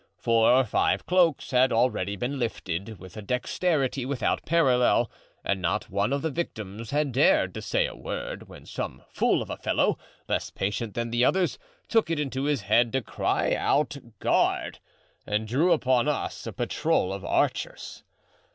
Four or five cloaks had already been lifted, with a dexterity without parallel, and not one of the victims had dared to say a word, when some fool of a fellow, less patient than the others, took it into his head to cry out, 'Guard!' and drew upon us a patrol of archers.